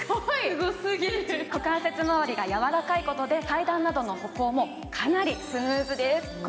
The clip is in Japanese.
股関節周りがやわらかいことで、階段などの歩行もかなりスムーズです。